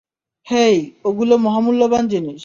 হেই ওগুলো মহামূল্যবান জিনিস।